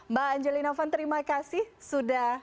mbak angelina van terima kasih sudah